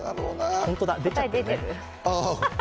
本当だ、出ちゃってる。